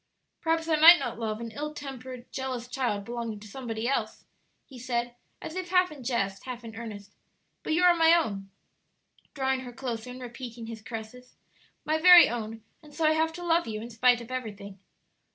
"Perhaps I might not love an ill tempered, jealous child belonging to somebody else," he said, as if half in jest, half in earnest; "but you are my own," drawing her closer and repeating his caresses, "my very own; and so I have to love you in spite of everything.